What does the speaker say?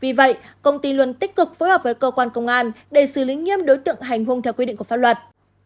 vì vậy công ty luôn tích cực phối hợp với cơ quan công an để xử lý nghiêm đối tượng hành hung theo quy định của pháp luật